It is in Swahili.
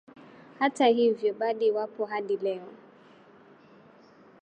Hata hivyo baadhi wapo hadi leo